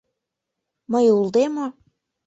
— Мый улде мо!